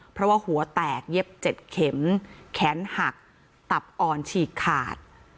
เพราะว่าหัวแตกเย็บ๗เข็มแขนหักตับอ่อนฉีกขาด